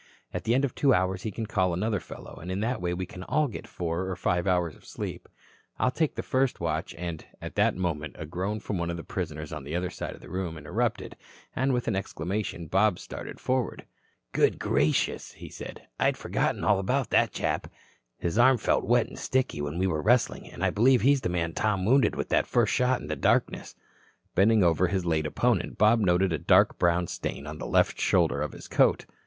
At the end of two hours he can call another fellow, and in that way we can all get four or five hours sleep. I'll take the first watch and " At that moment a groan from one of the prisoners on the other side of the room interrupted, and with an exclamation Bob started forward. "Good gracious," he said, "I'd forgotten all about that chap. His arm felt wet and sticky when we were wrestling and I believe he's the man Tom wounded with that first shot in the darkness." Bending over his late opponent, Bob noted a dark brown stain on the left shoulder of his coat.